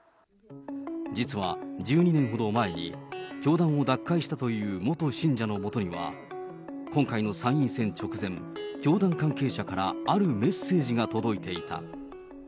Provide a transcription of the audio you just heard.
実は１２年ほど前に、教団を脱会したという元信者のもとには、今回の参院選直前、教団関係者からあるメッセージが届いていた。